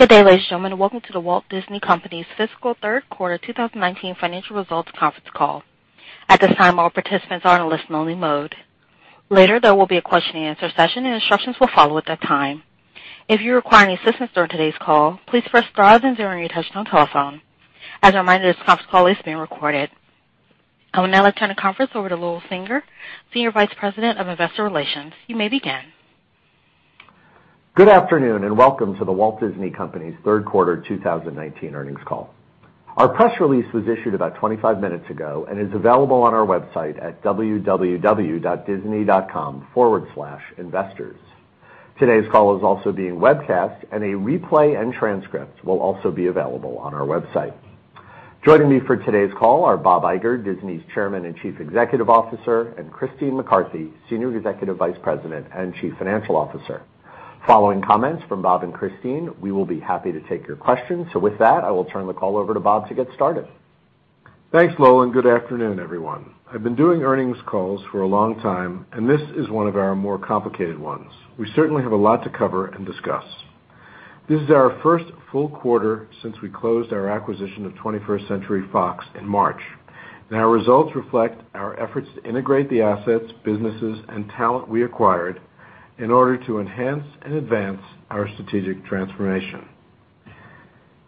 Good day, ladies and gentlemen. Welcome to The Walt Disney Company's fiscal third quarter 2019 financial results conference call. At this time, all participants are in a listen only mode. Later, there will be a question and an answer session, and instructions will follow at that time. If you require any assistance during today's call, please press star then zero on your touchtone telephone. As a reminder, this conference call is being recorded. I will now turn the conference over to Lowell Singer, Senior Vice President of Investor Relations. You may begin. Good afternoon, welcome to The Walt Disney Company's third quarter 2019 earnings call. Our press release was issued about 25 minutes ago and is available on our website at www.disney.com/investors. Joining me for today's call are Bob Iger, Disney's Chairman and Chief Executive Officer, and Christine McCarthy, Senior Executive Vice President and Chief Financial Officer. Following comments from Bob and Christine, we will be happy to take your questions. With that, I will turn the call over to Bob to get started. Thanks, Lowell, and good afternoon, everyone. I've been doing earnings calls for a long time, and this is one of our more complicated ones. We certainly have a lot to cover and discuss. This is our first full quarter since we closed our acquisition of 21st Century Fox in March, and our results reflect our efforts to integrate the assets, businesses, and talent we acquired in order to enhance and advance our strategic transformation.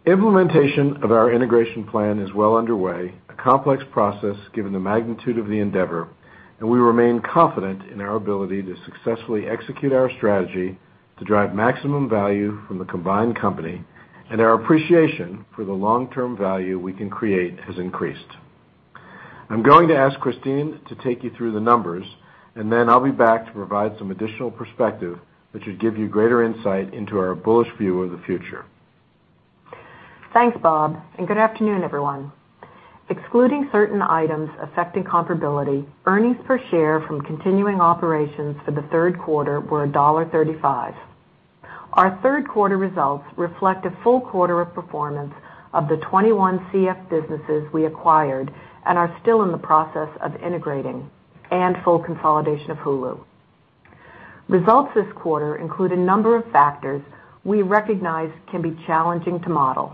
Implementation of our integration plan is well underway, a complex process given the magnitude of the endeavor, and we remain confident in our ability to successfully execute our strategy to drive maximum value from the combined company, and our appreciation for the long-term value we can create has increased. I'm going to ask Christine to take you through the numbers, and then I'll be back to provide some additional perspective that should give you greater insight into our bullish view of the future. Thanks, Bob. Good afternoon, everyone. Excluding certain items affecting comparability, earnings per share from continuing operations for the third quarter were $1.35. Our third quarter results reflect a full quarter of performance of the 21CF businesses we acquired and are still in the process of integrating and full consolidation of Hulu. Results this quarter include a number of factors we recognize can be challenging to model.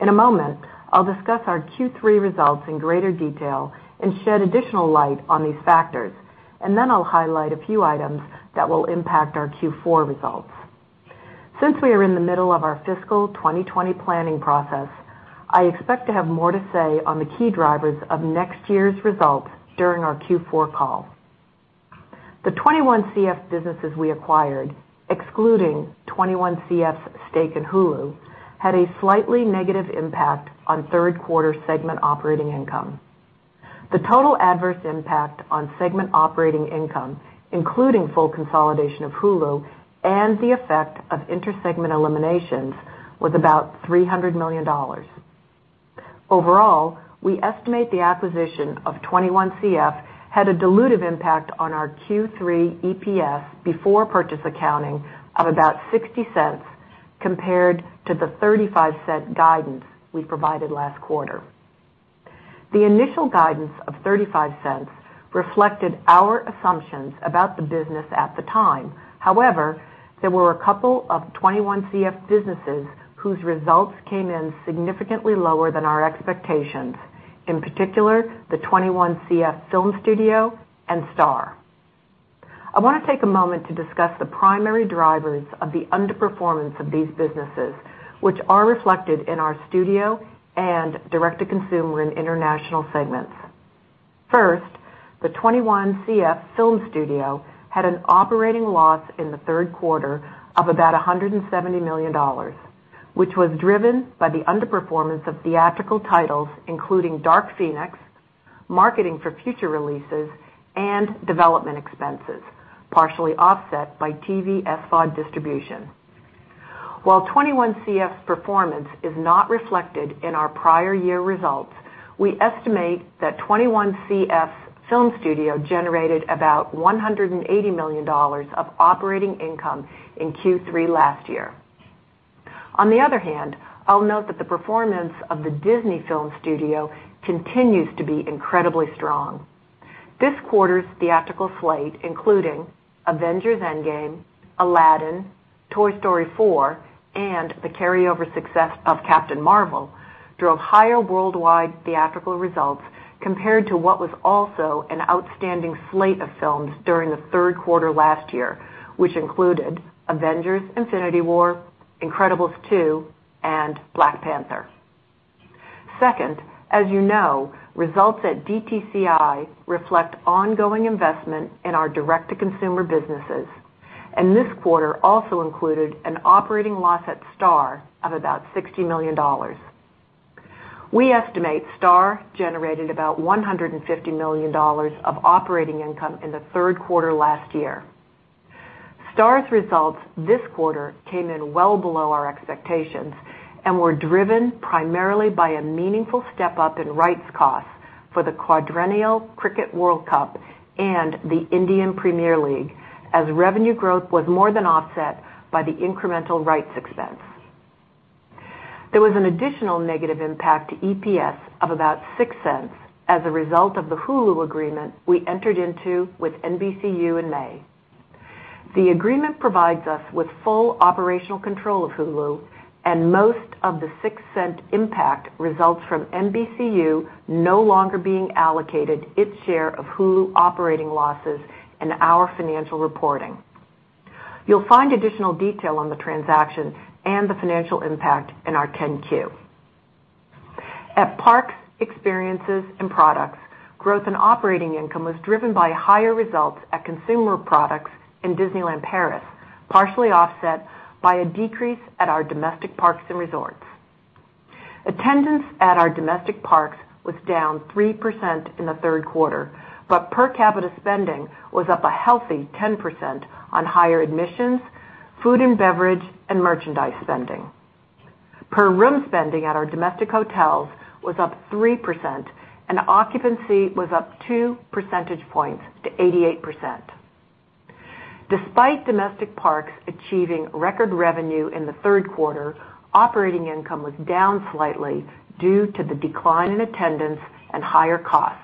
In a moment, I'll discuss our Q3 results in greater detail and shed additional light on these factors, and then I'll highlight a few items that will impact our Q4 results. Since we are in the middle of our fiscal 2020 planning process, I expect to have more to say on the key drivers of next year's results during our Q4 call. The 21CF businesses we acquired, excluding 21CF's stake in Hulu, had a slightly negative impact on third quarter segment operating income. The total adverse impact on segment operating income, including full consolidation of Hulu and the effect of intersegment eliminations, was about $300 million. We estimate the acquisition of 21CF had a dilutive impact on our Q3 EPS before purchase accounting of about $0.60 compared to the $0.35 guidance we provided last quarter. The initial guidance of $0.35 reflected our assumptions about the business at the time. There were a couple of 21CF businesses whose results came in significantly lower than our expectations, in particular, the 21CF film studio and Star. I want to take a moment to discuss the primary drivers of the underperformance of these businesses, which are reflected in our Studio and Direct-to-Consumer & International segments. First, the 21CF film studio had an operating loss in the third quarter of about $170 million, which was driven by the underperformance of theatrical titles, including "Dark Phoenix," marketing for future releases, and development expenses, partially offset by TV SVOD distribution. While 21CF's performance is not reflected in our prior year results, we estimate that 21CF's film studio generated about $180 million of operating income in Q3 last year. On the other hand, I'll note that the performance of the Disney Film Studio continues to be incredibly strong. This quarter's theatrical slate including "Avengers: Endgame," "Aladdin," "Toy Story 4," and the carryover success of "Captain Marvel" drove higher worldwide theatrical results compared to what was also an outstanding slate of films during the third quarter last year, which included "Avengers: Infinity War," "Incredibles 2," and "Black Panther." Second, as you know, results at DTCI reflect ongoing investment in our direct-to-consumer businesses, and this quarter also included an operating loss at Star of about $60 million. We estimate Star generated about $150 million of operating income in the third quarter last year. Star's results this quarter came in well below our expectations and were driven primarily by a meaningful step-up in rights costs for the quadrennial Cricket World Cup and the Indian Premier League, as revenue growth was more than offset by the incremental rights expense. There was an additional negative impact to EPS of about $0.06 as a result of the Hulu agreement we entered into with NBCU in May. The agreement provides us with full operational control of Hulu and most of the $0.06 impact results from NBCU no longer being allocated its share of Hulu operating losses in our financial reporting. You'll find additional detail on the transaction and the financial impact in our 10-Q. At parks, experiences and products, growth in operating income was driven by higher results at consumer products in Disneyland Paris, partially offset by a decrease at our domestic parks and resorts. Attendance at our domestic parks was down 3% in the third quarter, but per capita spending was up a healthy 10% on higher admissions, food and beverage, and merchandise spending. Per room spending at our domestic hotels was up 3% and occupancy was up two percentage points to 88%. Despite domestic parks achieving record revenue in the third quarter, operating income was down slightly due to the decline in attendance and higher costs.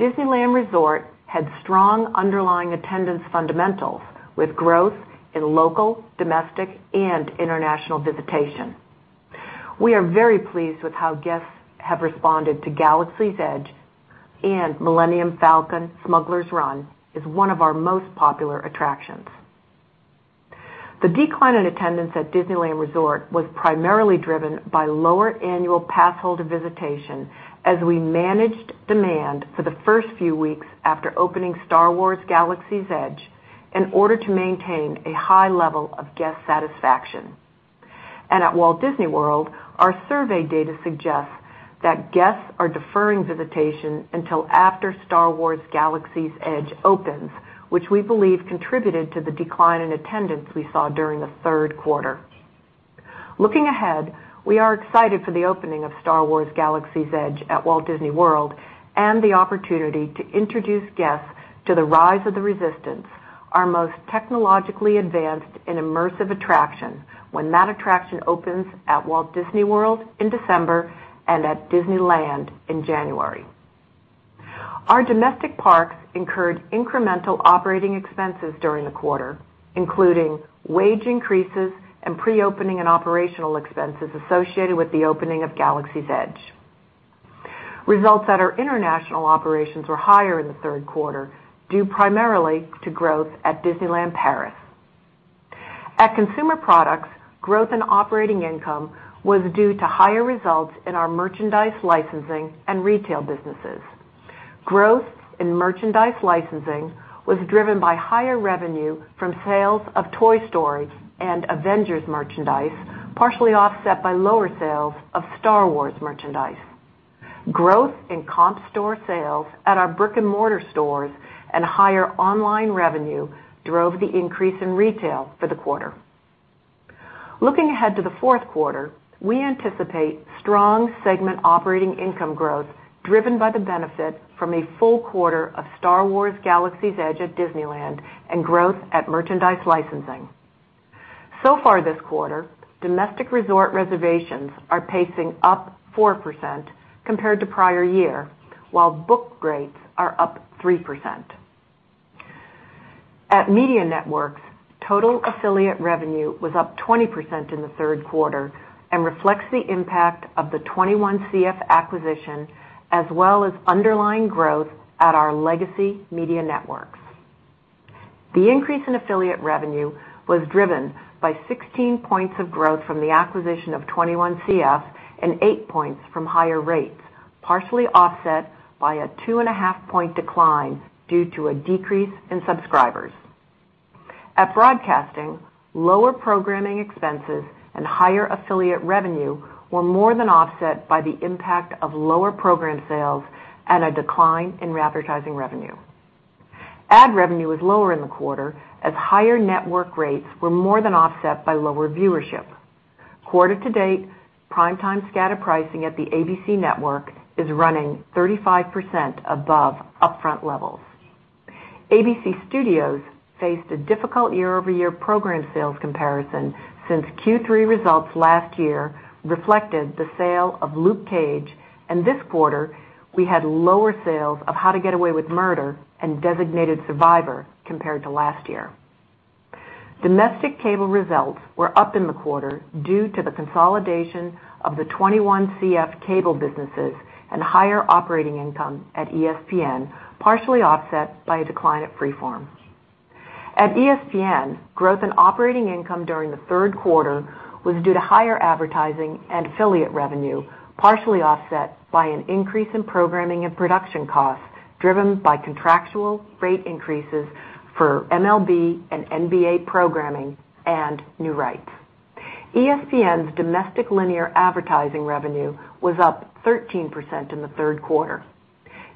Disneyland Resort had strong underlying attendance fundamentals with growth in local, domestic, and international visitation. We are very pleased with how guests have responded to Galaxy's Edge and Millennium Falcon: Smugglers Run is one of our most popular attractions. The decline in attendance at Disneyland Resort was primarily driven by lower annual pass holder visitation as we managed demand for the first few weeks after opening Star Wars: Galaxy's Edge in order to maintain a high level of guest satisfaction. At Walt Disney World, our survey data suggests that guests are deferring visitation until after Star Wars: Galaxy's Edge opens, which we believe contributed to the decline in attendance we saw during the third quarter. Looking ahead, we are excited for the opening of Star Wars: Galaxy's Edge at Walt Disney World and the opportunity to introduce guests to the Rise of the Resistance, our most technologically advanced and immersive attraction, when that attraction opens at Walt Disney World in December and at Disneyland in January. Our domestic parks incurred incremental operating expenses during the quarter, including wage increases and pre-opening and operational expenses associated with the opening of Galaxy's Edge. Results at our international operations were higher in the third quarter, due primarily to growth at Disneyland Paris. At Consumer Products, growth in operating income was due to higher results in our merchandise licensing and retail businesses. Growth in merchandise licensing was driven by higher revenue from sales of Toy Story and Avengers merchandise, partially offset by lower sales of Star Wars merchandise. Growth in comp store sales at our brick-and-mortar stores and higher online revenue drove the increase in retail for the quarter. Looking ahead to the fourth quarter, we anticipate strong segment operating income growth driven by the benefit from a full quarter of Star Wars: Galaxy's Edge at Disneyland and growth at merchandise licensing. Far this quarter, domestic resort reservations are pacing up 4% compared to prior year, while book rates are up 3%. At Media Networks, total affiliate revenue was up 20% in the third quarter and reflects the impact of the 21CF acquisition, as well as underlying growth at our legacy media networks. The increase in affiliate revenue was driven by 16 points of growth from the acquisition of 21CF and eight points from higher rates, partially offset by a two-and-a-half-point decline due to a decrease in subscribers. At Broadcasting, lower programming expenses and higher affiliate revenue were more than offset by the impact of lower program sales and a decline in advertising revenue. Ad revenue was lower in the quarter as higher network rates were more than offset by lower viewership. Quarter to date, prime time scatter pricing at the ABC Network is running 35% above upfront levels. ABC Studios faced a difficult year-over-year program sales comparison since Q3 results last year reflected the sale of Luke Cage. This quarter, we had lower sales of How to Get Away with Murder and Designated Survivor compared to last year. Domestic cable results were up in the quarter due to the consolidation of the 21CF cable businesses and higher operating income at ESPN, partially offset by a decline at Freeform. At ESPN, growth in operating income during the third quarter was due to higher advertising and affiliate revenue, partially offset by an increase in programming and production costs, driven by contractual rate increases for MLB and NBA programming and new rights. ESPN's domestic linear advertising revenue was up 13% in the third quarter.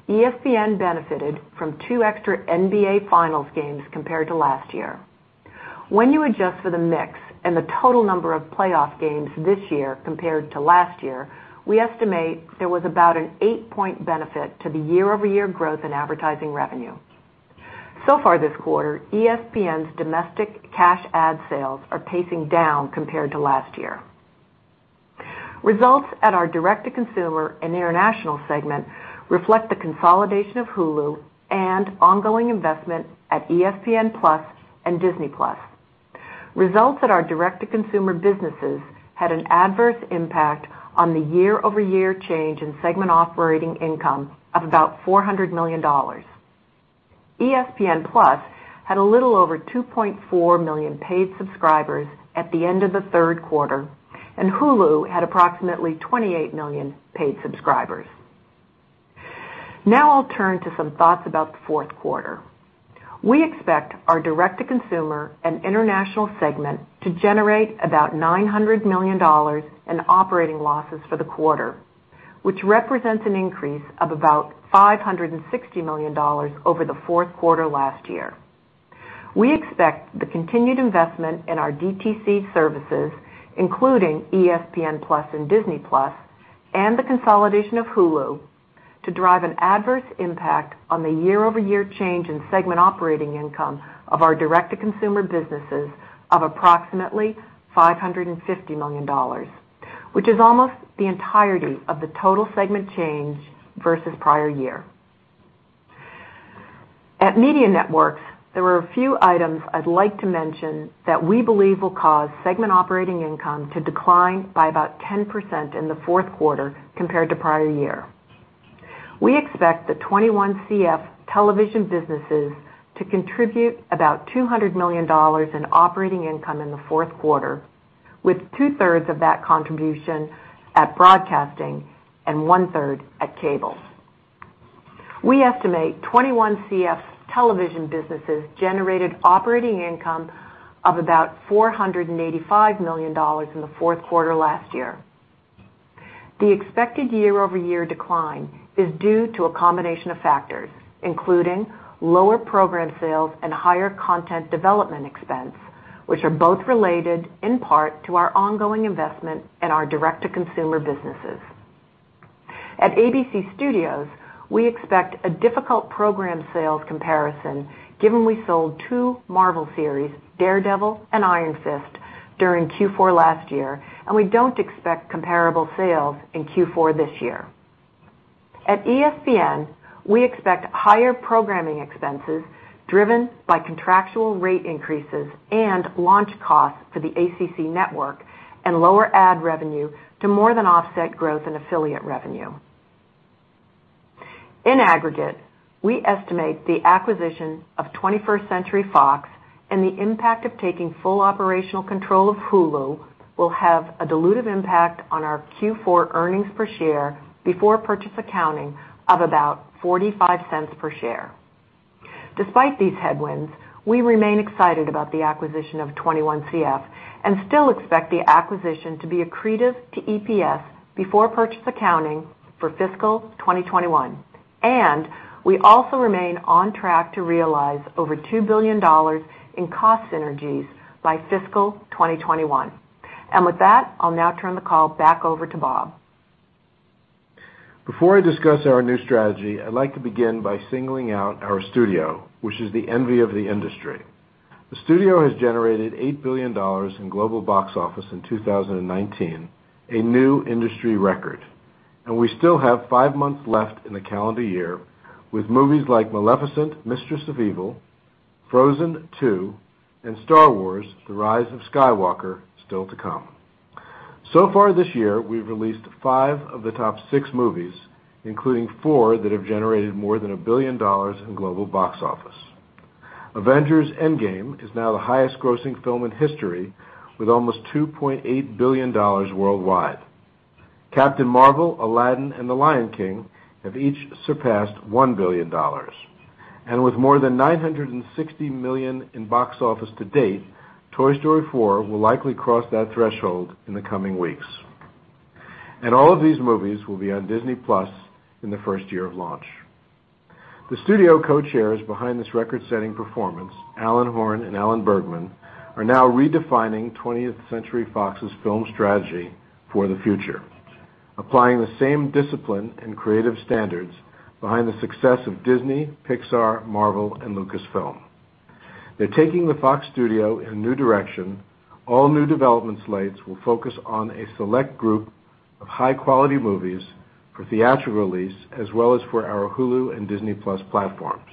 ESPN benefited from two extra NBA Finals games compared to last year. When you adjust for the mix and the total number of playoff games this year compared to last year, we estimate there was about an eight-point benefit to the year-over-year growth in advertising revenue. So far this quarter, ESPN's domestic cash ad sales are pacing down compared to last year. Results at our Direct-to-Consumer & International segment reflect the consolidation of Hulu and ongoing investment at ESPN+ and Disney+. Results at our direct-to-consumer businesses had an adverse impact on the year-over-year change in segment operating income of about $400 million. ESPN+ had a little over 2.4 million paid subscribers at the end of the third quarter, and Hulu had approximately 28 million paid subscribers. I'll turn to some thoughts about the fourth quarter. We expect our Direct-to-Consumer & International segment to generate about $900 million in operating losses for the quarter, which represents an increase of about $560 million over the fourth quarter last year. We expect the continued investment in our DTC services, including ESPN+ and Disney+, and the consolidation of Hulu, to drive an adverse impact on the year-over-year change in segment operating income of our direct-to-consumer businesses of approximately $550 million, which is almost the entirety of the total segment change versus the prior year. At Media Networks, there were a few items I'd like to mention that we believe will cause segment operating income to decline by about 10% in the fourth quarter compared to the prior year. We expect the 21CF television businesses to contribute about $200 million in operating income in the fourth quarter, with two-thirds of that contribution at broadcasting and one-third at cable. We estimate 21CF's television businesses generated operating income of about $485 million in the fourth quarter last year. The expected year-over-year decline is due to a combination of factors, including lower program sales and higher content development expense, which are both related in part to our ongoing investment in our direct-to-consumer businesses. At ABC Studios, we expect a difficult program sales comparison given we sold two Marvel series, "Daredevil" and "Iron Fist", during Q4 last year, and we don't expect comparable sales in Q4 this year. At ESPN, we expect higher programming expenses driven by contractual rate increases and launch costs for the ACC Network and lower ad revenue to more than offset growth in affiliate revenue. In aggregate, we estimate the acquisition of 21st Century Fox and the impact of taking full operational control of Hulu will have a dilutive impact on our Q4 earnings per share before purchase accounting of about $0.45 per share. Despite these headwinds, we remain excited about the acquisition of 21CF and still expect the acquisition to be accretive to EPS before purchase accounting for fiscal 2021. We also remain on track to realize over $2 billion in cost synergies by fiscal 2021. With that, I'll now turn the call back over to Bob. Before I discuss our new strategy, I'd like to begin by singling out our studio, which is the envy of the industry. The studio has generated $8 billion in global box office in 2019, a new industry record. We still have five months left in the calendar year with movies like "Maleficent: Mistress of Evil", "Frozen 2", and "Star Wars: The Rise of Skywalker" still to come. Far this year, we've released five of the top six movies, including four that have generated more than a billion dollars in global box office. "Avengers: Endgame" is now the highest-grossing film in history, with almost $2.8 billion worldwide. "Captain Marvel," "Aladdin," and "The Lion King" have each surpassed $1 billion. With more than $960 million in box office to date, "Toy Story 4" will likely cross that threshold in the coming weeks. All of these movies will be on Disney+ in the first year of launch. The studio co-chairs behind this record-setting performance, Alan Horn and Alan Bergman, are now redefining 20th Century Fox's film strategy for the future, applying the same discipline and creative standards behind the success of Disney, Pixar, Marvel, and Lucasfilm. They're taking the Fox Studio in a new direction. All new development slates will focus on a select group of high-quality movies for theatrical release as well as for our Hulu and Disney+ platforms.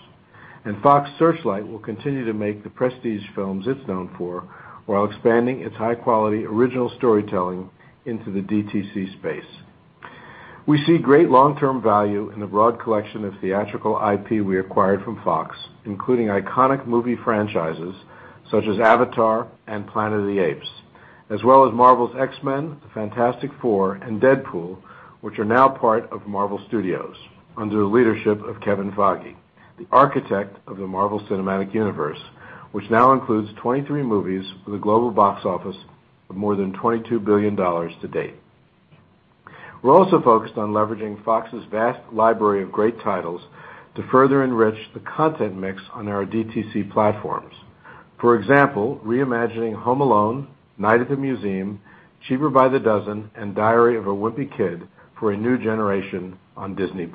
Fox Searchlight will continue to make the prestige films it's known for while expanding its high-quality original storytelling into the DTC space. We see great long-term value in the broad collection of theatrical IP we acquired from Fox, including iconic movie franchises such as Avatar and Planet of the Apes, as well as Marvel's X-Men, Fantastic Four, and Deadpool, which are now part of Marvel Studios under the leadership of Kevin Feige, the architect of the Marvel Cinematic Universe, which now includes 23 movies with a global box office of more than $22 billion to date. We're also focused on leveraging Fox's vast library of great titles to further enrich the content mix on our DTC platforms. For example, reimagining "Home Alone," "Night at the Museum," "Cheaper by the Dozen," and "Diary of a Wimpy Kid" for a new generation on Disney+.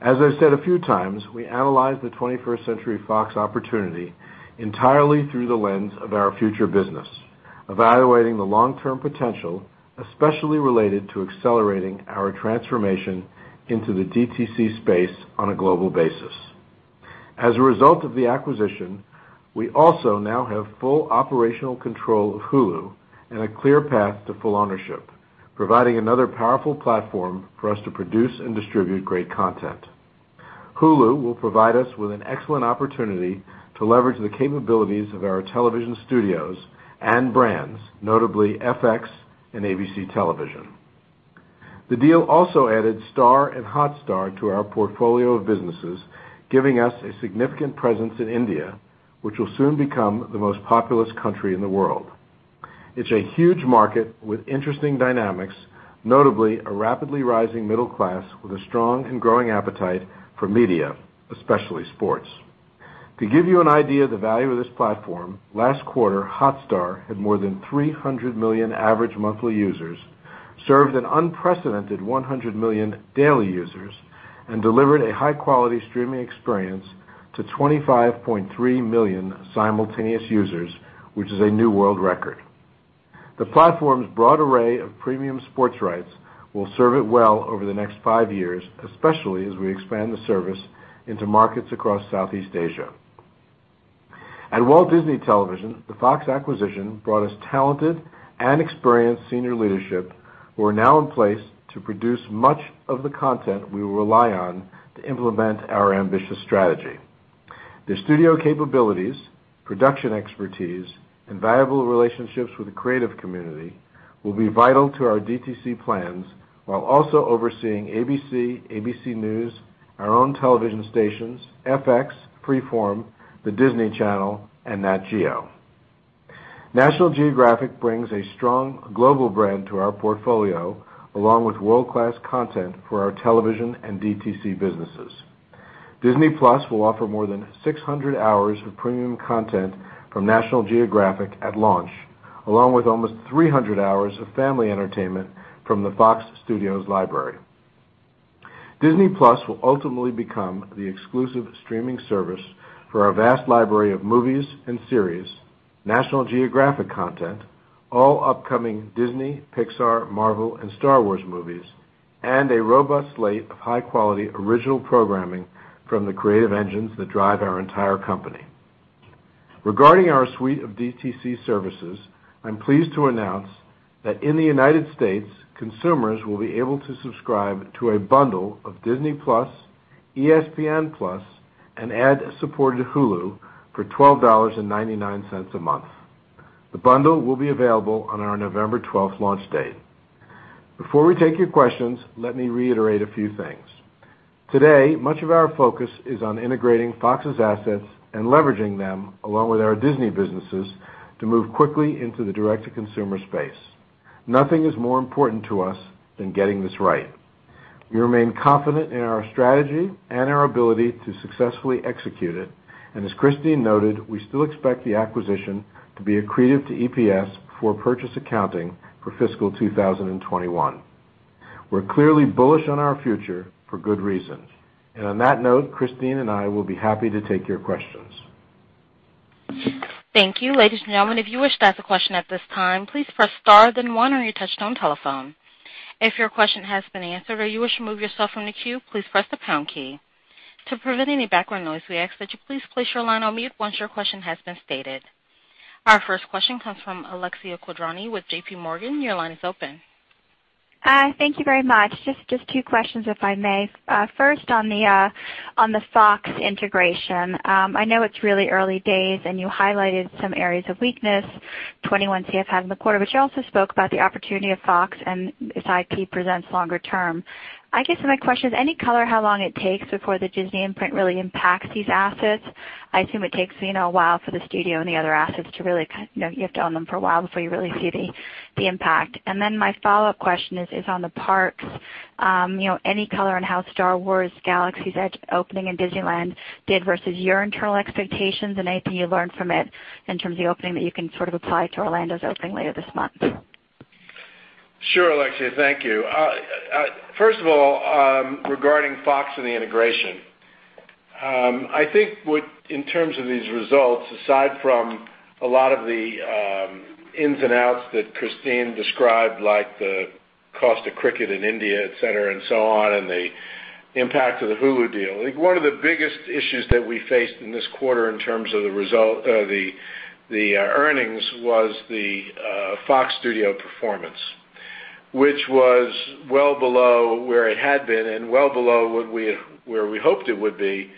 As I've said a few times, we analyzed the 21st Century Fox opportunity entirely through the lens of our future business, evaluating the long-term potential, especially related to accelerating our transformation into the DTC space on a global basis. As a result of the acquisition, we also now have full operational control of Hulu and a clear path to full ownership, providing another powerful platform for us to produce and distribute great content. Hulu will provide us with an excellent opportunity to leverage the capabilities of our television studios and brands, notably FX and ABC Television. The deal also added Star and Hotstar to our portfolio of businesses, giving us a significant presence in India, which will soon become the most populous country in the world. It's a huge market with interesting dynamics, notably a rapidly rising middle class with a strong and growing appetite for media, especially sports. To give you an idea of the value of this platform, last quarter, Hotstar had more than 300 million average monthly users, served an unprecedented 100 million daily users, and delivered a high-quality streaming experience to 25.3 million simultaneous users, which is a new world record. The platform's broad array of premium sports rights will serve it well over the next five years, especially as we expand the service into markets across Southeast Asia. At Walt Disney Television, the Fox acquisition brought us talented and experienced senior leadership who are now in place to produce much of the content we will rely on to implement our ambitious strategy. Their studio capabilities, production expertise, and valuable relationships with the creative community will be vital to our DTC plans while also overseeing ABC News, our own television stations, FX, Freeform, the Disney Channel, and Nat Geo. National Geographic brings a strong global brand to our portfolio, along with world-class content for our television and DTC businesses. Disney+ will offer more than 600 hours of premium content from National Geographic at launch, along with almost 300 hours of family entertainment from the Fox Studios library. Disney+ will ultimately become the exclusive streaming service for our vast library of movies and series, National Geographic content, all upcoming Disney, Pixar, Marvel, and Star Wars movies, and a robust slate of high-quality original programming from the creative engines that drive our entire company. Regarding our suite of DTC services, I'm pleased to announce that in the United States, consumers will be able to subscribe to a bundle of Disney+, ESPN+, and ad-supported Hulu for $12.99 a month. The bundle will be available on our November 12th launch date. Before we take your questions, let me reiterate a few things. Today, much of our focus is on integrating Fox's assets and leveraging them along with our Disney businesses to move quickly into the direct-to-consumer space. Nothing is more important to us than getting this right. We remain confident in our strategy and our ability to successfully execute it. As Christine noted, we still expect the acquisition to be accretive to EPS before purchase accounting for fiscal 2021. We're clearly bullish on our future for good reason. On that note, Christine and I will be happy to take your questions. Thank you. Ladies and gentlemen, if you wish to ask a question at this time, please press star then one on your touchtone telephone. If your question has been answered or you wish to remove yourself from the queue, please press the pound key. To prevent any background noise, we ask that you please place your line on mute once your question has been stated. Our first question comes from Alexia Quadrani with J.P. Morgan. Your line is open. Hi. Thank you very much. Just two questions, if I may. First, on the Fox integration. I know it's really early days, and you highlighted some areas of weakness, 21CF had in the quarter, but you also spoke about the opportunity of Fox and its IP presents longer term. I guess my question is, any color how long it takes before the Disney imprint really impacts these assets? I assume it takes a while for the studio and the other assets. You have to own them for a while before you really see the impact. My follow-up question is on the parks. Any color on how Star Wars: Galaxy's Edge opening in Disneyland did versus your internal expectations and anything you learned from it in terms of the opening that you can apply to Orlando's opening later this month? Sure, Alexia. Thank you. First of all, regarding Fox and the integration. I think in terms of these results, aside from a lot of the ins and outs that Christine described, like the cost of cricket in India, et cetera, and so on, and the impact of the Hulu deal, I think one of the biggest issues that we faced in this quarter in terms of the earnings was the Fox Studio performance, which was well below where it had been and well below where we hoped it would be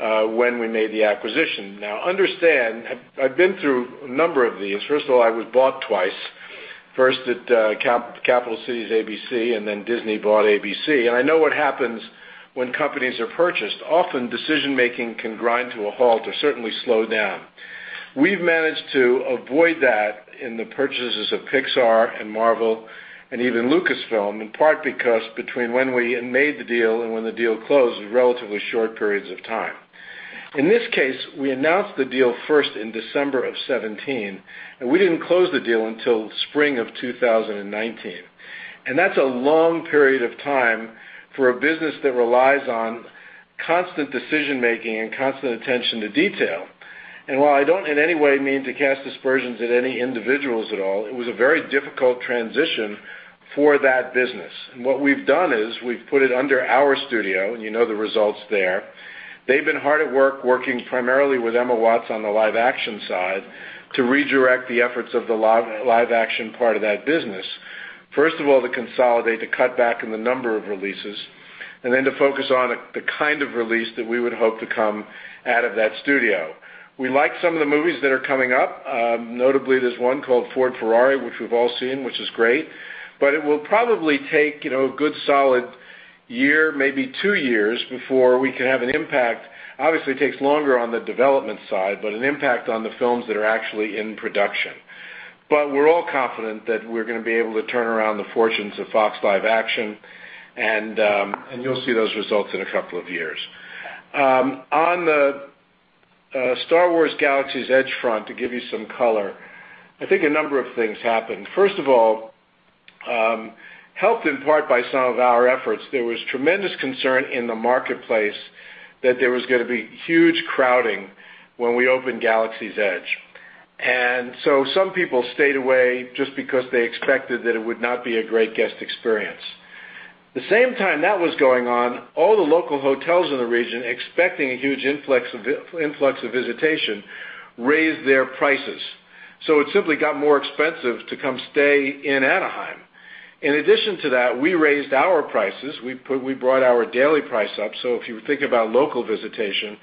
when we made the acquisition. Now, understand, I've been through a number of these. First of all, I was bought twice, first at Capital Cities/ABC, and then Disney bought ABC. I know what happens when companies are purchased. Often, decision-making can grind to a halt or certainly slow down. We've managed to avoid that in the purchases of Pixar and Marvel and even Lucasfilm, in part because between when we had made the deal and when the deal closed was relatively short periods of time. In this case, we announced the deal first in December of 2017, and we didn't close the deal until spring of 2019. That's a long period of time for a business that relies on constant decision-making and constant attention to detail. While I don't in any way mean to cast aspersions at any individuals at all, it was a very difficult transition for that business. What we've done is we've put it under our studio, and you know the results there. They've been hard at work, working primarily with Emma Watts on the live action side to redirect the efforts of the live action part of that business. First of all, to consolidate, to cut back on the number of releases, and then to focus on the kind of release that we would hope to come out of that studio. We like some of the movies that are coming up. Notably, there's one called "Ford v Ferrari," which we've all seen, which is great, it will probably take a good solid year, maybe two years before we can have an impact. Obviously, it takes longer on the development side, an impact on the films that are actually in production. We're all confident that we're going to be able to turn around the fortunes of Fox Live Action, and you'll see those results in a couple of years. On the Star Wars: Galaxy's Edge front, to give you some color, I think a number of things happened. First of all, helped in part by some of our efforts, there was tremendous concern in the marketplace that there was going to be huge crowding when we opened Galaxy's Edge. Some people stayed away just because they expected that it would not be a great guest experience. The same time that was going on, all the local hotels in the region, expecting a huge influx of visitation, raised their prices. It simply got more expensive to come stay in Anaheim. In addition to that, we raised our prices. We brought our daily price up. If you think about local visitation,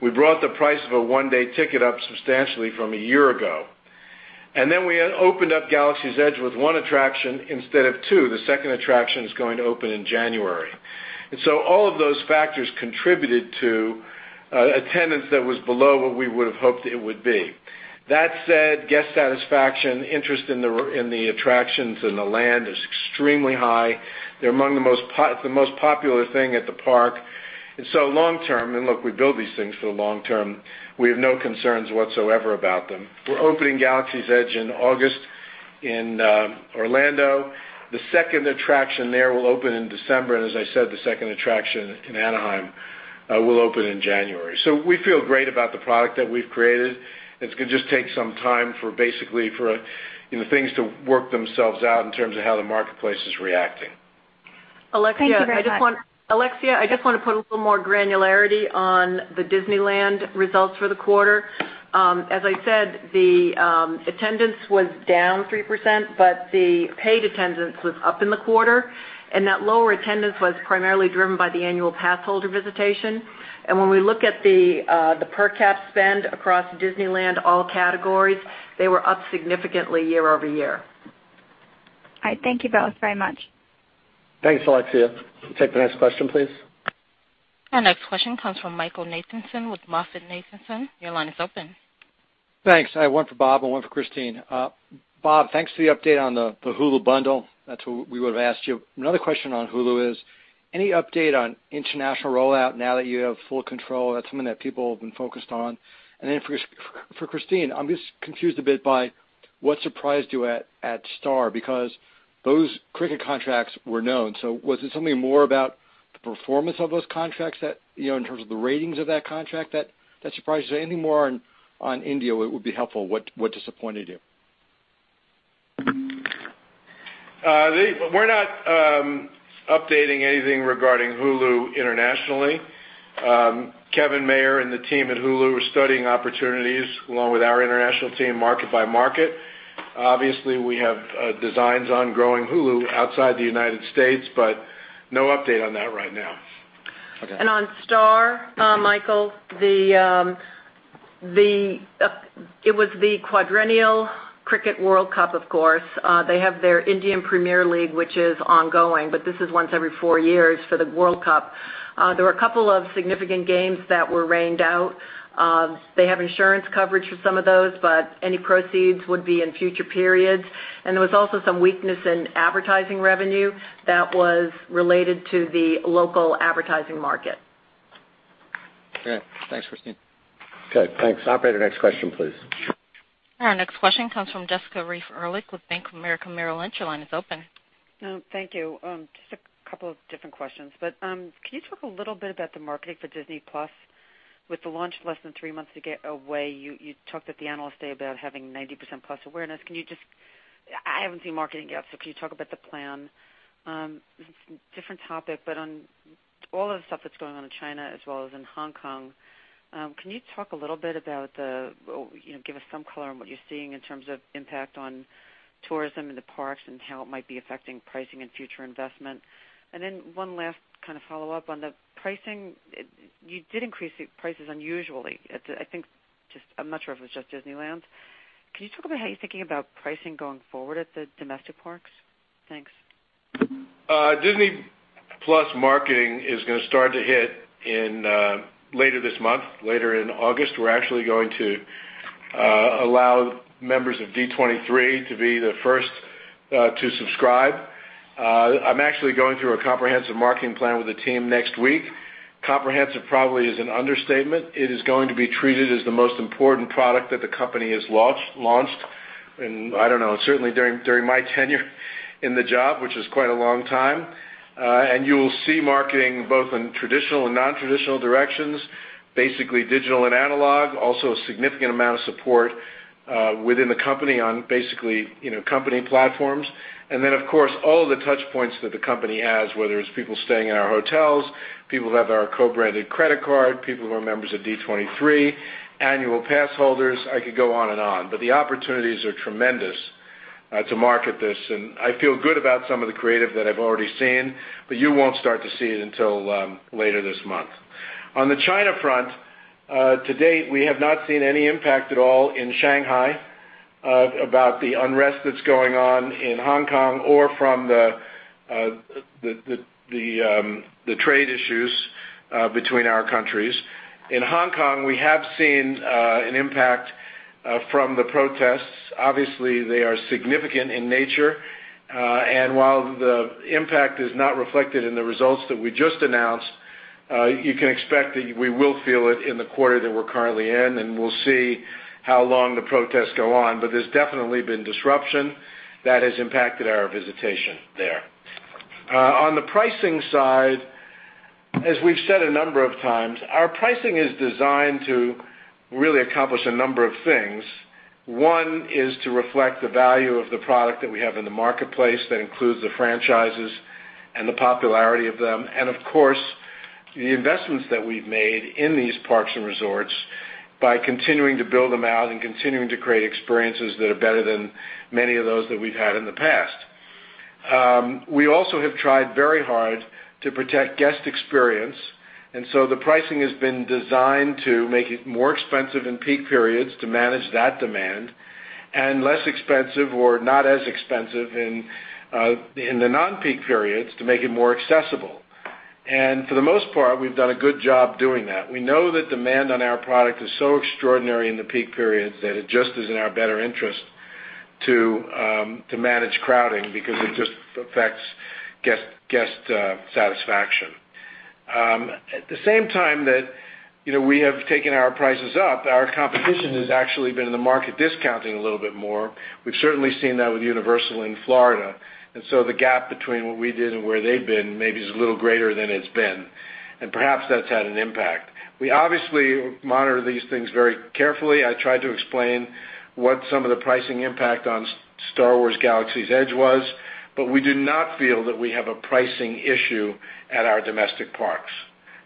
we brought the price of a one-day ticket up substantially from a year ago. We opened up Galaxy's Edge with one attraction instead of two. The second attraction is going to open in January. All of those factors contributed to attendance that was below what we would have hoped it would be. That said, guest satisfaction, interest in the attractions and the land is extremely high. They're among the most popular thing at the park. Long term, and look, we build these things for the long term, we have no concerns whatsoever about them. We're opening Galaxy's Edge in August in Orlando. The second attraction there will open in December. As I said, the second attraction in Anaheim will open in January. We feel great about the product that we've created, and it's going to just take some time for basically for things to work themselves out in terms of how the marketplace is reacting. Alexia, I just want to put a little more granularity on the Disneyland results for the quarter. As I said, the attendance was down 3%, but the paid attendance was up in the quarter, and that lower attendance was primarily driven by the annual pass holder visitation. When we look at the per cap spend across Disneyland, all categories, they were up significantly year-over-year. All right. Thank you both very much. Thanks, Alexia. We'll take the next question, please. Our next question comes from Michael Nathanson with MoffettNathanson. Your line is open. Thanks. I have one for Bob and one for Christine. Bob, thanks for the update on the Hulu bundle. That's what we would've asked you. Another question on Hulu is, any update on international rollout now that you have full control? That's something that people have been focused on. Then for Christine, I'm just confused a bit by what surprised you at Star, because those cricket contracts were known. Was it something more about the performance of those contracts in terms of the ratings of that contract that surprised you? Anything more on India would be helpful. What disappointed you? We're not updating anything regarding Hulu internationally. Kevin Mayer and the team at Hulu are studying opportunities along with our international team market by market. Obviously, we have designs on growing Hulu outside the United States, but no update on that right now. Okay. On Star, Michael, it was the quadrennial Cricket World Cup, of course. They have their Indian Premier League, which is ongoing, but this is once every four years for the World Cup. There were a couple of significant games that were rained out. They have insurance coverage for some of those, but any proceeds would be in future periods. There was also some weakness in advertising revenue that was related to the local advertising market. Okay. Thanks, Christine. Okay, thanks. Operator, next question, please. Our next question comes from Jessica Reif Ehrlich with Bank of America Merrill Lynch. Your line is open. Thank you. Just a couple of different questions, can you talk a little bit about the marketing for Disney+ with the launch less than three months away? You talked at the Investor Day about having 90%+ awareness. I haven't seen marketing yet, can you talk about the plan? Different topic, on all of the stuff that's going on in China as well as in Hong Kong, can you talk a little bit or give us some color on what you're seeing in terms of impact on tourism in the parks and how it might be affecting pricing and future investment? One last follow-up on the pricing. You did increase the prices unusually. I'm not sure if it was just Disneyland. Can you talk about how you're thinking about pricing going forward at the domestic parks? Thanks. Disney+ marketing is going to start to hit later this month. Later in August, we're actually going to allow members of D23 to be the first to subscribe. I'm actually going through a comprehensive marketing plan with the team next week. Comprehensive probably is an understatement. It is going to be treated as the most important product that the company has launched in, I don't know, certainly during my tenure in the job, which is quite a long time. You will see marketing both in traditional and non-traditional directions, basically digital and analog. A significant amount of support within the company on basically company platforms. Of course, all of the touch points that the company has, whether it's people staying in our hotels, people who have our co-branded credit card, people who are members of D23, annual pass holders, I could go on and on. The opportunities are tremendous to market this, and I feel good about some of the creative that I've already seen, but you won't start to see it until later this month. On the China front, to date, we have not seen any impact at all in Shanghai about the unrest that's going on in Hong Kong or from the trade issues between our countries. In Hong Kong, we have seen an impact from the protests. Obviously, they are significant in nature. While the impact is not reflected in the results that we just announced, you can expect that we will feel it in the quarter that we're currently in, and we'll see how long the protests go on. There's definitely been disruption that has impacted our visitation there. On the pricing side, as we've said a number of times, our pricing is designed to really accomplish a number of things. One is to reflect the value of the product that we have in the marketplace. That includes the franchises and the popularity of them and, of course, the investments that we've made in these parks and resorts by continuing to build them out and continuing to create experiences that are better than many of those that we've had in the past. We also have tried very hard to protect guest experience, and so the pricing has been designed to make it more expensive in peak periods to manage that demand, and less expensive or not as expensive in the non-peak periods to make it more accessible. For the most part, we've done a good job doing that. We know that demand on our product is so extraordinary in the peak periods that it just is in our better interest to manage crowding because it just affects guest satisfaction. At the same time that we have taken our prices up, our competition has actually been in the market discounting a little bit more. We've certainly seen that with Universal in Florida, and so the gap between what we did and where they've been maybe is a little greater than it's been, and perhaps that's had an impact. We obviously monitor these things very carefully. I tried to explain what some of the pricing impact on Star Wars: Galaxy's Edge was, but we do not feel that we have a pricing issue at our domestic parks.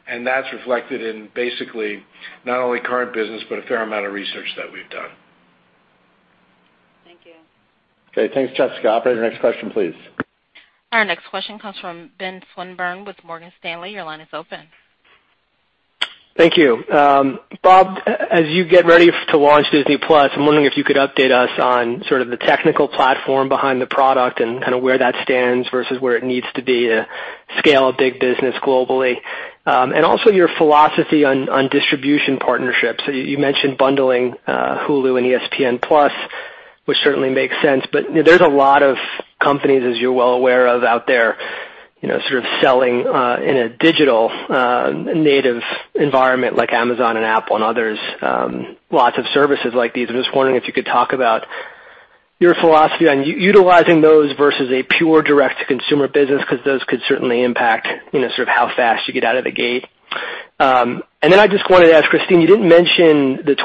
That's reflected in basically not only current business, but a fair amount of research that we've done. Thank you. Okay. Thanks, Jessica. Operator, next question, please. Our next question comes from Ben Swinburne with Morgan Stanley. Your line is open. Thank you. Bob, as you get ready to launch Disney+, I'm wondering if you could update us on sort of the technical platform behind the product and kind of where that stands versus where it needs to be to scale a big business globally. Also your philosophy on distribution partnerships. You mentioned bundling Hulu and ESPN+, which certainly makes sense. There's a lot of companies, as you're well aware of out there, sort of selling in a digital native environment like Amazon and Apple and others. Lots of services like these. I'm just wondering if you could talk about your philosophy on utilizing those versus a pure direct-to-consumer business, because those could certainly impact how fast you get out of the gate. Then I just wanted to ask Christine, you didn't mention the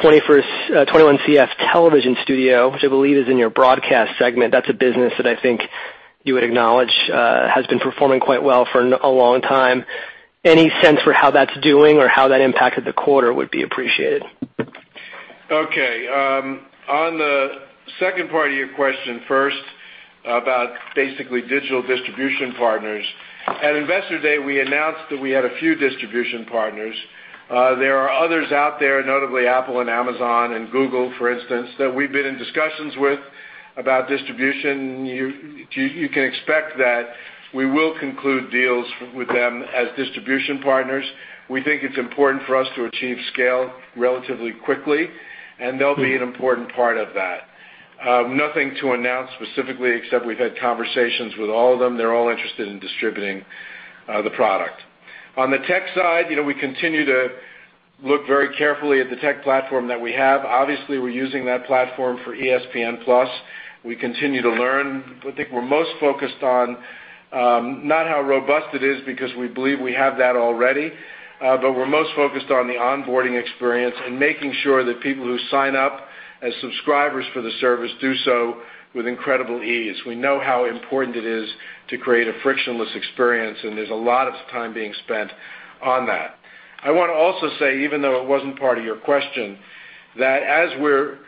21CF television studio, which I believe is in your broadcast segment. That's a business that I think you would acknowledge has been performing quite well for a long time. Any sense for how that's doing or how that impacted the quarter would be appreciated. Okay. On the second part of your question first about basically digital distribution partners. At Investor Day, we announced that we had a few distribution partners. There are others out there, notably Apple and Amazon and Google, for instance, that we've been in discussions with about distribution. You can expect that we will conclude deals with them as distribution partners. We think it's important for us to achieve scale relatively quickly, and they'll be an important part of that. Nothing to announce specifically except we've had conversations with all of them. They're all interested in distributing the product. On the tech side, we continue to look very carefully at the tech platform that we have. Obviously, we're using that platform for ESPN+. We continue to learn. I think we're most focused on not how robust it is because we believe we have that already, but we're most focused on the onboarding experience and making sure that people who sign up as subscribers for the service do so with incredible ease. We know how important it is to create a frictionless experience, and there's a lot of time being spent on that. I want to also say, even though it wasn't part of your question, that as we're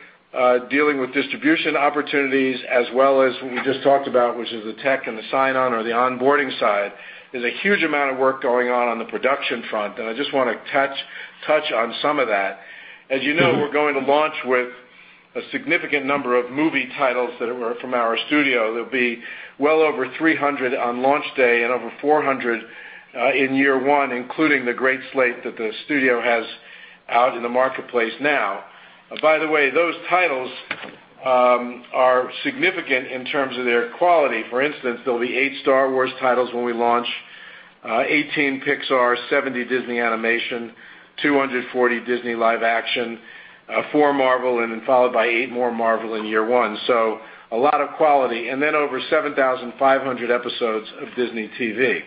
dealing with distribution opportunities as well as we just talked about, which is the tech and the sign-on or the onboarding side, there's a huge amount of work going on on the production front, and I just want to touch on some of that. As you know, we're going to launch with a significant number of movie titles that were from our studio. There'll be well over 300 on launch day and over 400 in year one, including the great slate that the studio has out in the marketplace now. By the way, those titles are significant in terms of their quality. For instance, there'll be eight Star Wars titles when we launch, 18 Pixar, 70 Disney Animation, 240 Disney live action, four Marvel, and then followed by eight more Marvel in year one. A lot of quality. Over 7,500 episodes of Disney TV.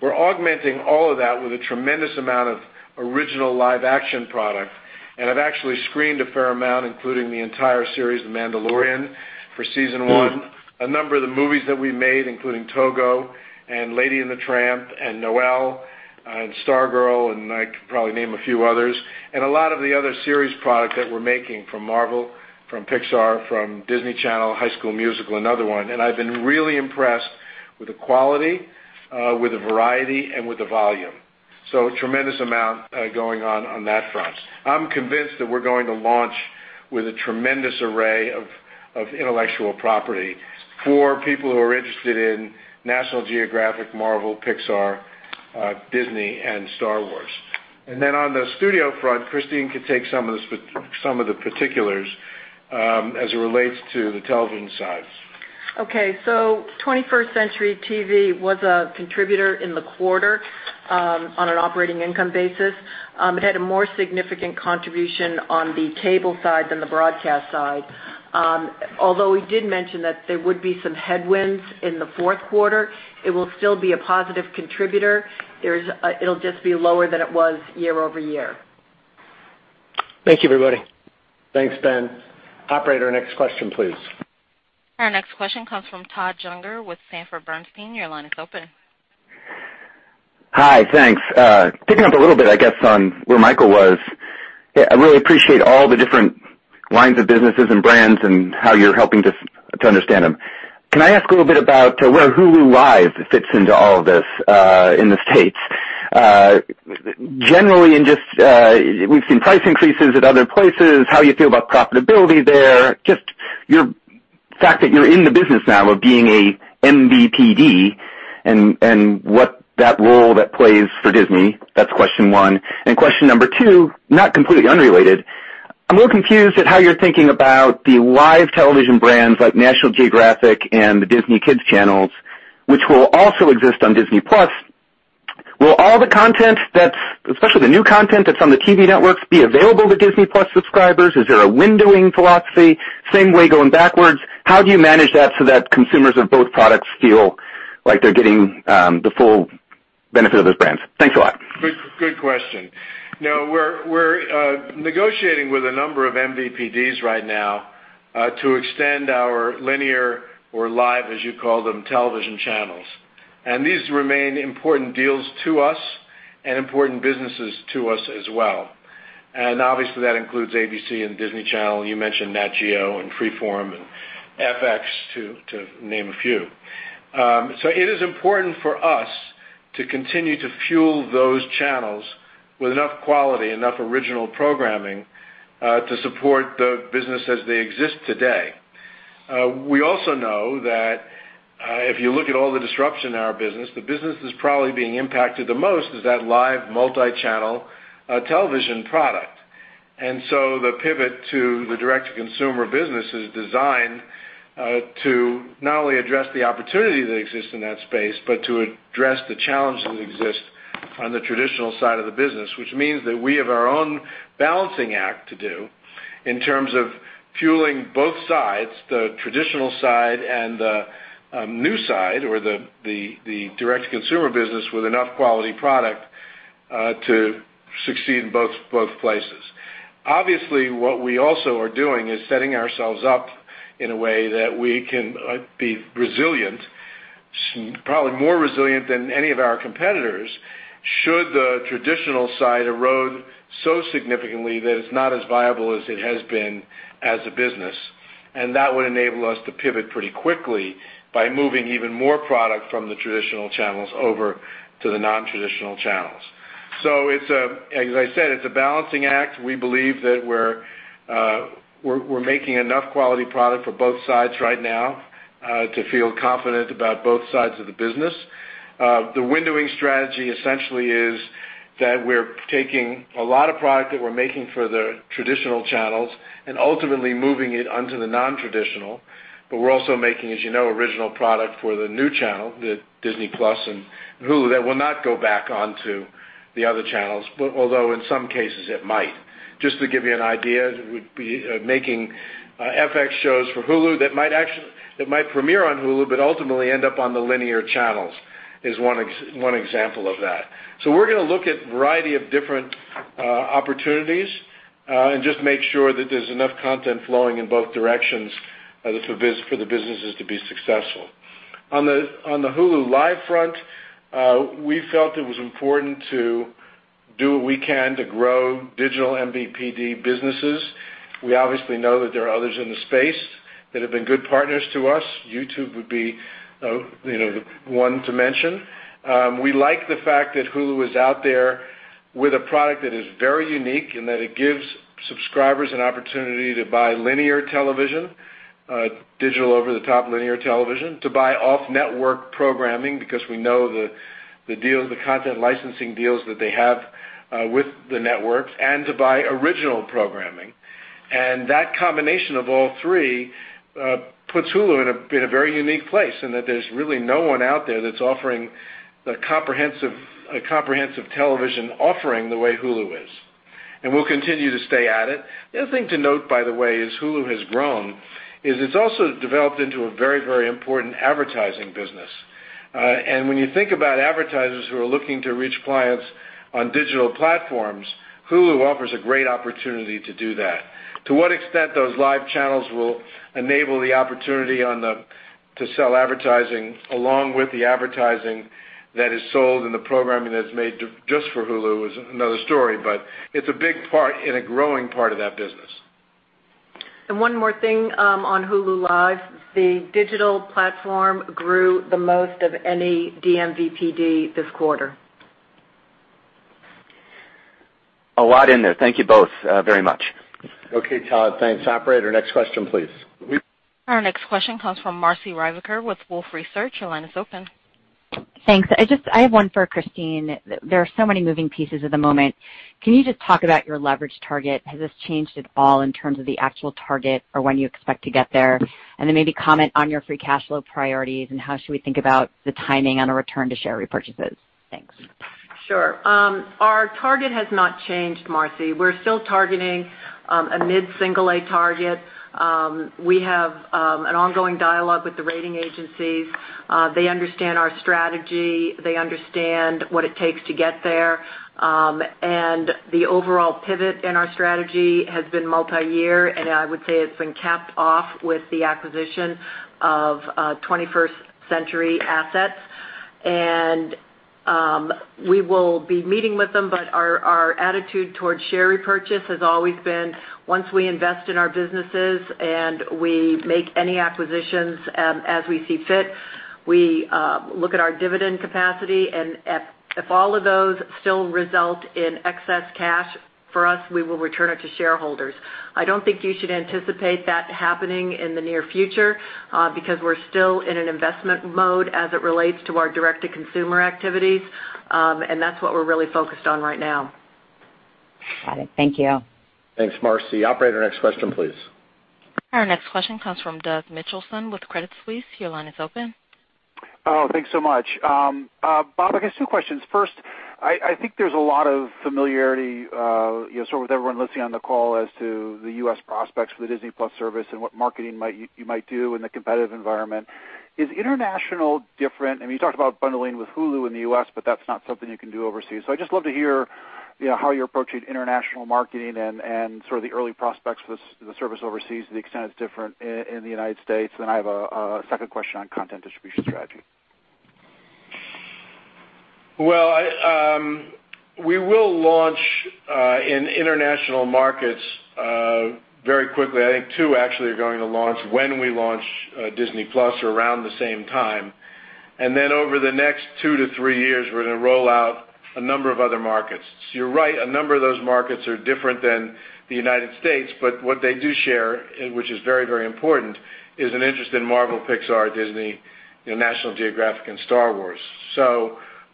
We're augmenting all of that with a tremendous amount of original live-action product. I've actually screened a fair amount, including the entire series, "The Mandalorian" for season one, a number of the movies that we made, including "Togo" and "Lady and the Tramp" and "Noelle" and "Stargirl" and I could probably name a few others, and a lot of the other series product that we're making from Marvel, from Pixar, from Disney Channel, "High School Musical," another one. I've been really impressed with the quality, with the variety, and with the volume. A tremendous amount going on on that front. I'm convinced that we're going to launch with a tremendous array of intellectual property for people who are interested in National Geographic, Marvel, Pixar, Disney, and Star Wars. On the studio front, Christine can take some of the particulars as it relates to the television sides. Okay. 21st Century TV was a contributor in the quarter on an operating income basis. It had a more significant contribution on the cable side than the broadcast side. Although we did mention that there would be some headwinds in the fourth quarter, it will still be a positive contributor. It'll just be lower than it was year-over-year. Thank you, everybody. Thanks, Ben. Operator, next question, please. Our next question comes from Todd Juenger with Sanford C. Bernstein. Your line is open. Hi. Thanks. Picking up a little bit, I guess, on where Michael was. I really appreciate all the different lines of businesses and brands and how you're helping to understand them. Can I ask a little bit about where Hulu Live fits into all of this in the States? Generally, we've seen price increases at other places, how you feel about profitability there, just your fact that you're in the business now of being a MVPD and what that role that plays for Disney. That's question one. Question number two, not completely unrelated. I'm a little confused at how you're thinking about the live television brands like National Geographic and the Disney kids channels, which will also exist on Disney+. Will all the content, especially the new content that's on the TV networks, be available to Disney+ subscribers? Is there a windowing philosophy? Same way going backwards. How do you manage that so that consumers of both products feel like they're getting the full benefit of those brands? Thanks a lot. Good question. We're negotiating with a number of MVPDs right now to extend our linear or live, as you call them, television channels. These remain important deals to us and important businesses to us as well. Obviously, that includes ABC and Disney Channel. You mentioned Nat Geo and Freeform and FX to name a few. It is important for us to continue to fuel those channels with enough quality, enough original programming, to support the business as they exist today. We also know that if you look at all the disruption in our business, the business that's probably being impacted the most is that live multi-channel television product. The pivot to the direct-to-consumer business is designed to not only address the opportunity that exists in that space, but to address the challenges that exist on the traditional side of the business, which means that we have our own balancing act to do in terms of fueling both sides, the traditional side and the new side, or the direct-to-consumer business, with enough quality product to succeed in both places. Obviously, what we also are doing is setting ourselves up in a way that we can be resilient, probably more resilient than any of our competitors, should the traditional side erode so significantly that it's not as viable as it has been as a business. That would enable us to pivot pretty quickly by moving even more product from the traditional channels over to the non-traditional channels. As I said, it's a balancing act. We believe that we're making enough quality product for both sides right now to feel confident about both sides of the business. The windowing strategy essentially is that we're taking a lot of product that we're making for the traditional channels and ultimately moving it onto the non-traditional. We're also making, as you know, original product for the new channel, the Disney+ and Hulu, that will not go back onto the other channels. Although, in some cases, it might. Just to give you an idea, we'd be making FX shows for Hulu that might premiere on Hulu, but ultimately end up on the linear channels, is one example of that. We're going to look at a variety of different opportunities and just make sure that there's enough content flowing in both directions for the businesses to be successful. On the Hulu + Live TV front, we felt it was important to do what we can to grow digital MVPD businesses. We obviously know that there are others in the space that have been good partners to us. YouTube would be the one to mention. We like the fact that Hulu is out there with a product that is very unique in that it gives subscribers an opportunity to buy linear television, digital over-the-top linear television, to buy off-network programming because we know the content licensing deals that they have with the networks and to buy original programming. That combination of all three puts Hulu in a very unique place in that there's really no one out there that's offering a comprehensive television offering the way Hulu is. We'll continue to stay at it. The other thing to note, by the way, is Hulu has grown, is it's also developed into a very important advertising business. When you think about advertisers who are looking to reach clients on digital platforms, Hulu offers a great opportunity to do that. To what extent those live channels will enable the opportunity to sell advertising along with the advertising that is sold and the programming that's made just for Hulu is another story, but it's a big part and a growing part of that business. One more thing on Hulu Live, the digital platform grew the most of any dMVPD this quarter. A lot in there. Thank you both very much. Okay, Todd. Thanks. Operator, next question, please. Our next question comes from Marci Ryvicker with Wolfe Research. Your line is open. Thanks. I have one for Christine. There are so many moving pieces at the moment. Can you just talk about your leverage target? Has this changed at all in terms of the actual target or when you expect to get there? Then maybe comment on your free cash flow priorities and how should we think about the timing on a return to share repurchases? Thanks. Sure. Our target has not changed, Marci. We're still targeting a mid-single A target. They understand our strategy. They understand what it takes to get there. The overall pivot in our strategy has been multi-year, and I would say it's been capped off with the acquisition of 21st Century assets. We will be meeting with them, but our attitude towards share repurchase has always been once we invest in our businesses and we make any acquisitions as we see fit, we look at our dividend capacity and if all of those still result in excess cash for us, we will return it to shareholders. I don't think you should anticipate that happening in the near future because we're still in an investment mode as it relates to our direct-to-consumer activities. That's what we're really focused on right now. Got it. Thank you. Thanks, Marci. Operator, next question, please. Our next question comes from Doug Mitchelson with Credit Suisse. Your line is open. Thanks so much. Bob, I guess two questions. I think there's a lot of familiarity with everyone listening on the call as to the U.S. prospects for the Disney+ service and what marketing you might do in the competitive environment. Is international different? You talked about bundling with Hulu in the U.S., that's not something you can do overseas. I'd just love to hear how you're approaching international marketing and the early prospects for the service overseas to the extent it's different in the United States. I have a second question on content distribution strategy. We will launch in international markets very quickly. I think two actually are going to launch when we launch Disney+, around the same time. Over the next two to three years, we're going to roll out a number of other markets. You're right, a number of those markets are different than the United States, but what they do share, which is very important, is an interest in Marvel, Pixar, Disney, National Geographic and Star Wars.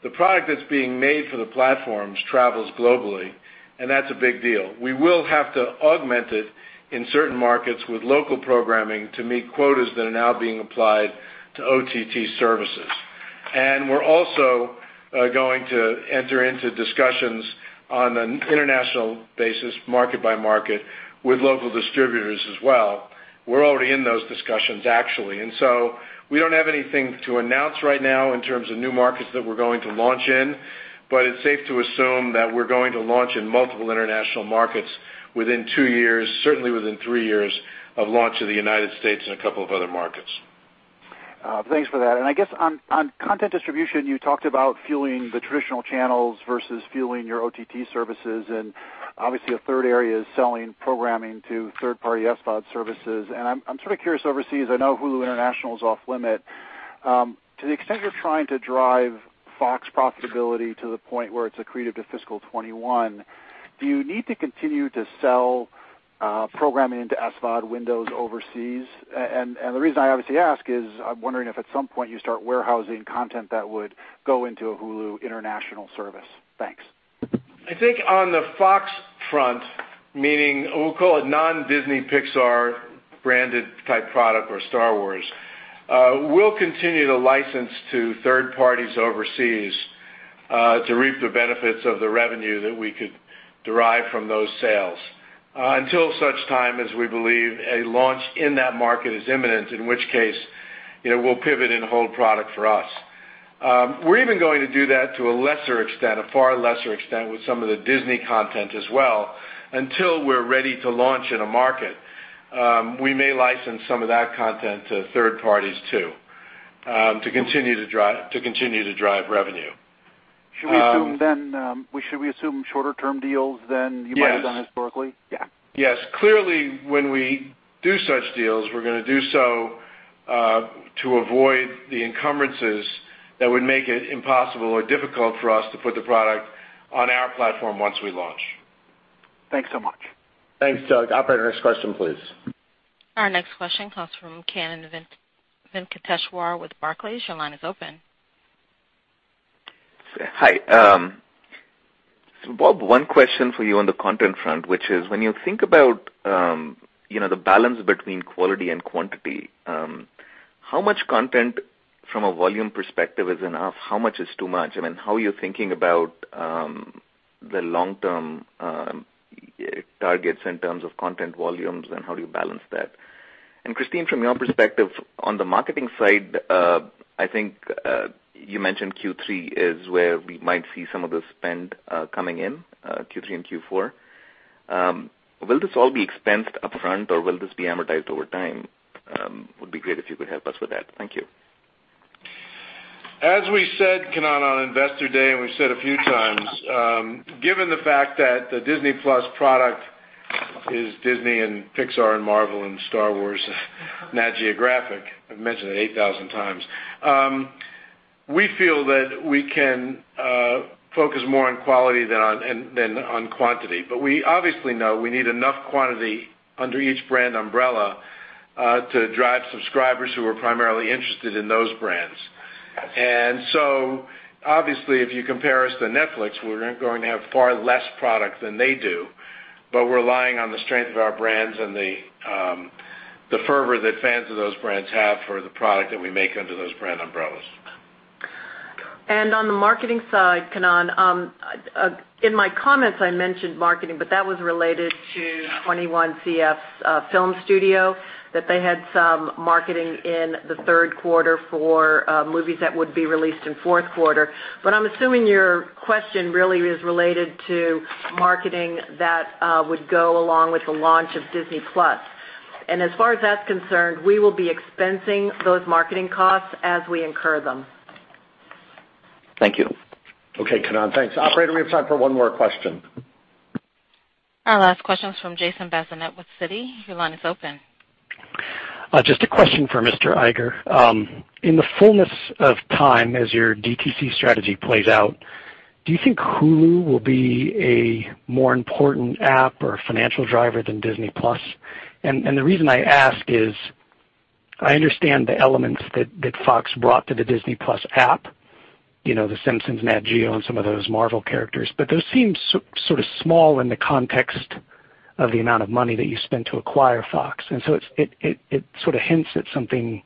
The product that's being made for the platforms travels globally, and that's a big deal. We will have to augment it in certain markets with local programming to meet quotas that are now being applied to OTT services. We're also going to enter into discussions on an international basis, market by market, with local distributors as well. We're already in those discussions, actually. We don't have anything to announce right now in terms of new markets that we're going to launch in, but it's safe to assume that we're going to launch in multiple international markets within two years, certainly within three years of launch in the United States and a couple of other markets. Thanks for that. I guess on content distribution, you talked about fueling the traditional channels versus fueling your OTT services. Obviously a third area is selling programming to third-party SVOD services. I'm curious overseas, I know Hulu International is off limit. To the extent you're trying to drive Fox profitability to the point where it's accretive to fiscal 2021, do you need to continue to sell programming into SVOD windows overseas? The reason I obviously ask is I'm wondering if at some point you start warehousing content that would go into a Hulu International service. Thanks. I think on the Fox front, meaning we'll call it non-Disney Pixar branded type product or Star Wars, we'll continue to license to third parties overseas to reap the benefits of the revenue that we could derive from those sales until such time as we believe a launch in that market is imminent, in which case we'll pivot and hold product for us. We're even going to do that to a lesser extent, a far lesser extent with some of the Disney content as well. Until we're ready to launch in a market we may license some of that content to third parties too to continue to drive revenue. Should we assume shorter-term deals than you might have done historically? Yeah. Yes. Clearly when we do such deals, we're going to do so to avoid the encumbrances that would make it impossible or difficult for us to put the product on our platform once we launch. Thanks so much. Thanks, Doug. Operator, next question, please. Our next question comes from Kannan Venkateshwar with Barclays. Your line is open. Hi. Bob, one question for you on the content front, which is when you think about the balance between quality and quantity, how much content from a volume perspective is enough? How much is too much? I mean, how are you thinking about the long-term targets in terms of content volumes and how do you balance that? Christine, from your perspective on the marketing side, I think you mentioned Q3 is where we might see some of the spend coming in, Q3 and Q4. Will this all be expensed upfront or will this be amortized over time? Would be great if you could help us with that. Thank you. As we said, Kannan, on Investor Day, and we've said a few times, given the fact that the Disney+ product is Disney and Pixar and Marvel and Star Wars, Nat Geographic, I've mentioned it 8,000 times. We feel that we can focus more on quality than on quantity. We obviously know we need enough quantity under each brand umbrella to drive subscribers who are primarily interested in those brands. Obviously, if you compare us to Netflix, we're going to have far less product than they do, but we're relying on the strength of our brands and the fervor that fans of those brands have for the product that we make under those brand umbrellas. On the marketing side, Kannan, in my comments I mentioned marketing, but that was related to 21CF's film studio that they had some marketing in the third quarter for movies that would be released in fourth quarter. I'm assuming your question really is related to marketing that would go along with the launch of Disney+. As far as that's concerned, we will be expensing those marketing costs as we incur them. Thank you. Okay, Kannan, thanks. Operator, we have time for one more question. Our last question is from Jason Bazinet with Citi. Your line is open. Just a question for Mr. Iger. In the fullness of time, as your DTC strategy plays out, do you think Hulu will be a more important app or financial driver than Disney+? The reason I ask is I understand the elements that Fox brought to the Disney+ app, The Simpsons, Nat Geo, and some of those Marvel characters. Those seem sort of small in the context of the amount of money that you spent to acquire Fox. It sort of hints at something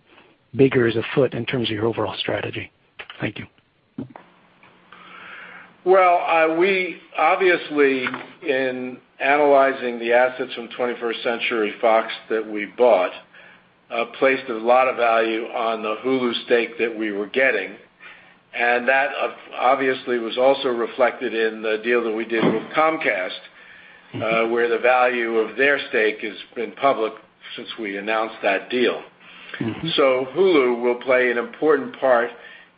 bigger is afoot in terms of your overall strategy. Thank you. Well, we obviously in analyzing the assets from 21st Century Fox that we bought placed a lot of value on the Hulu stake that we were getting and that obviously was also reflected in the deal that we did with Comcast where the value of their stake has been public since we announced that deal. Hulu will play an important part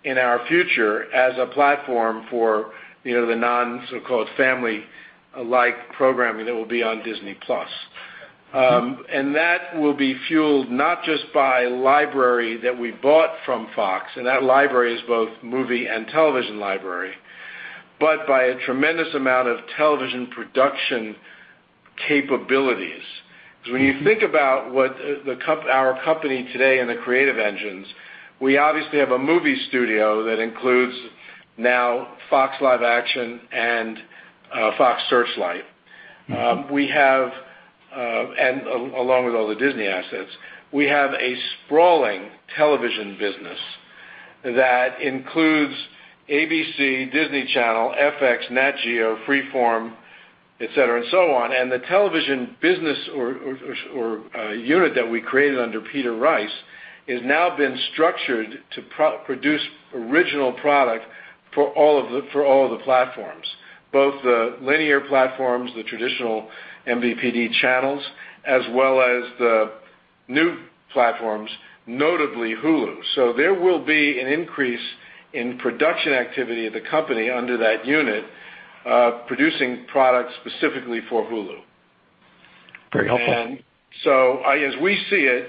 in our future as a platform for the non so-called family-like programming that will be on Disney+. That will be fueled not just by library that we bought from Fox, and that library is both movie and television library, but by a tremendous amount of television production capabilities. When you think about our company today and the creative engines, we obviously have a movie studio that includes now Fox Live Action and Fox Searchlight. Along with all the Disney assets, we have a sprawling television business that includes ABC, Disney Channel, FX, Nat Geo, Freeform, et cetera, and so on. The television business or unit that we created under Peter Rice has now been structured to produce original product for all of the platforms, both the linear platforms, the traditional MVPD channels, as well as the new platforms, notably Hulu. There will be an increase in production activity of the company under that unit producing products specifically for Hulu. Very helpful. As we see it,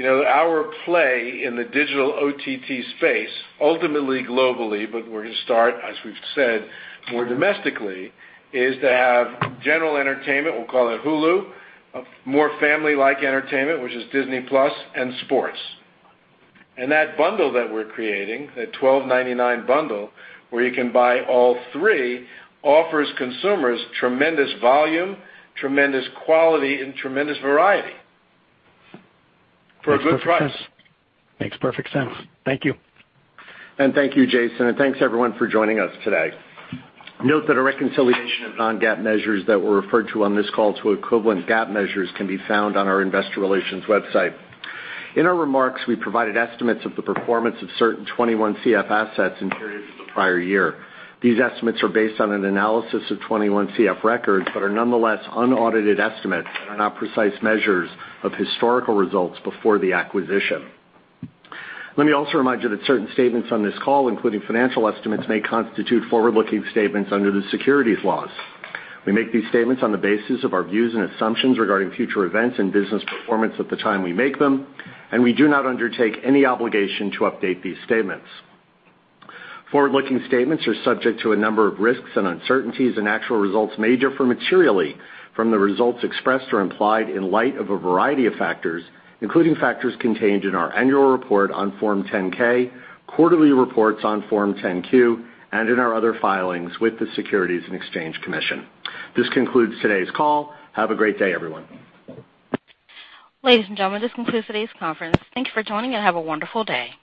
our play in the digital OTT space, ultimately globally, but we're going to start, as we've said, more domestically, is to have general entertainment, we'll call it Hulu, more family-like entertainment, which is Disney+, and sports. That bundle that we're creating, that $12.99 bundle where you can buy all three, offers consumers tremendous volume, tremendous quality and tremendous variety for a good price. Makes perfect sense. Thank you. Thank you, Jason, and thanks everyone for joining us today. Note that a reconciliation of non-GAAP measures that were referred to on this call to equivalent GAAP measures can be found on our investor relations website. In our remarks, we provided estimates of the performance of certain 21CF assets in periods of the prior year. These estimates are based on an analysis of 21CF records but are nonetheless unaudited estimates and are not precise measures of historical results before the acquisition. Let me also remind you that certain statements on this call, including financial estimates, may constitute forward-looking statements under the securities laws. We make these statements on the basis of our views and assumptions regarding future events and business performance at the time we make them, and we do not undertake any obligation to update these statements. Forward-looking statements are subject to a number of risks and uncertainties, and actual results may differ materially from the results expressed or implied in light of a variety of factors, including factors contained in our annual report on Form 10-K, quarterly reports on Form 10-Q, and in our other filings with the Securities and Exchange Commission. This concludes today's call. Have a great day, everyone. Ladies and gentlemen, this concludes today's conference. Thank you for joining and have a wonderful day.